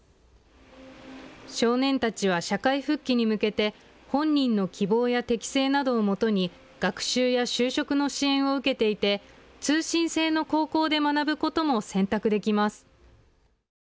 少年たちは社会復帰に向けて本人の希望や適正などをもとに学習や就職の支援を受けていて通信制の高校で学ぶことも選択できます。